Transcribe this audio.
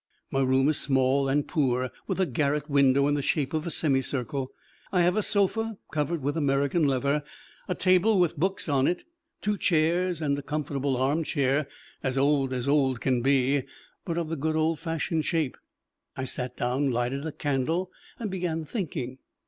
My room is small and poor, with a garret window in the shape of a semicircle. I have a sofa covered with American leather, a table with books on it, two chairs and a comfortable arm chair, as old as old can be, but of the good old fashioned shape. I sat down, lighted the candle, and began thinking.